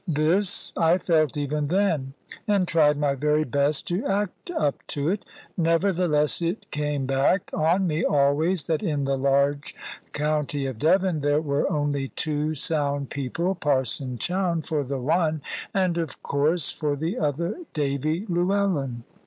This I felt even then, and tried my very best to act up to it: nevertheless it came back on me always that in the large county of Devon there were only two sound people; Parson Chowne for the one and, of course, for the other, Davy Llewellyn.